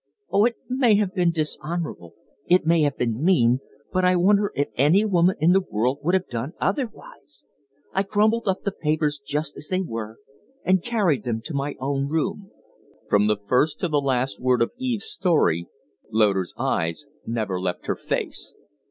Oh, it may have been dishonorable, it may have been mean, but I wonder if any woman in the world would have done otherwise! I crumpled up the papers just as they were and carried them to my own room." From the first to the last word of Eve's story Loder's eyes never left her face.